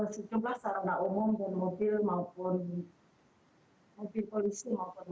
sejumlah sarana umum mobil maupun mobil polisi maupun warga memang rusak